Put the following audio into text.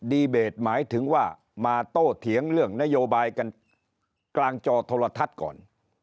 เบตหมายถึงว่ามาโต้เถียงเรื่องนโยบายกันกลางจอโทรทัศน์ก่อน